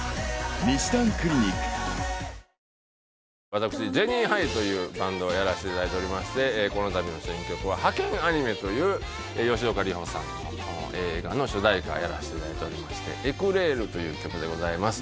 私ジェニーハイというバンドをやらせていただいておりましてこの度の新曲は「ハケンアニメ！」という吉岡里帆さんの映画の主題歌やらせていただいておりまして「エクレール」という曲でございます